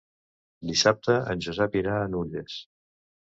Dissabte en Josep irà a Nulles.